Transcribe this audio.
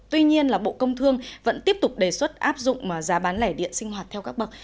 tuy nhiên bộ công thương vẫn tiếp tục đề xuất áp dụng giá bán lẻ điện sinh hoạt theo các bậc